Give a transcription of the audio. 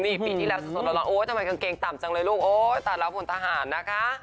นี่ปีที่แล้วสดร้อนโอ๊ยทำไมกางเกงต่ำจังเลยลูกโอ๊ยตายแล้วพลทหารนะคะ